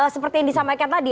seperti yang disampaikan tadi